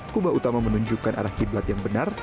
kubah utama menunjukkan arah qiblat yang benar